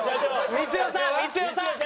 光代さん光代さん！